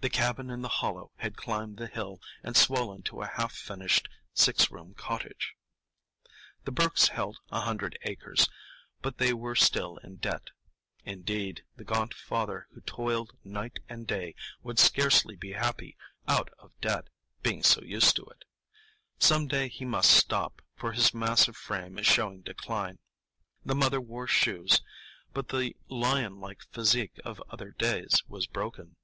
the cabin in the hollow had climbed the hill and swollen to a half finished six room cottage. The Burkes held a hundred acres, but they were still in debt. Indeed, the gaunt father who toiled night and day would scarcely be happy out of debt, being so used to it. Some day he must stop, for his massive frame is showing decline. The mother wore shoes, but the lion like physique of other days was broken.